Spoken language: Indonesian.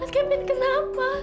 mas kevin kenapa